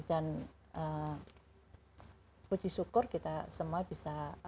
dan puji syukur kita semua bisa